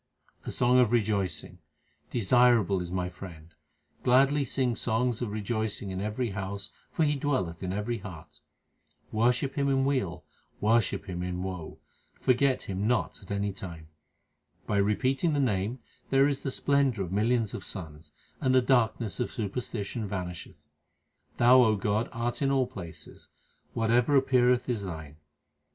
A song of rejoicing : Desirable is my Friend ; Gladly sing songs of rejoicing in every house for He dwelleth in every heart. Worship Him in weal ; worship Him in woe ; forget Him not at any time. By repeating the Name there is the splendour of millions of suns, and the darkness of superstition vanisheth. Thou, O God, art in all places ; whatever appeareth is Thine.